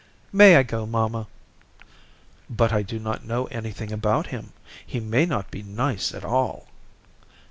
"May I go, mamma?" "But I do not know anything about him. He may not be nice at all."